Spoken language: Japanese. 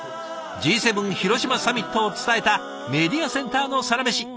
Ｇ７広島サミットを伝えたメディアセンターのサラメシ。